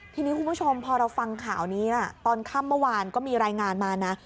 ทีนี้คุณผู้ชมพอเราฟังข่าวนี้ตอนค่ำเมื่อวานก็มีรายงานมานะ